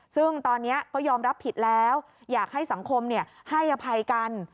ซึ่งตอนนี้ก็ยอมรับผิดแล้วอยากให้สังคมให้อภัยกัน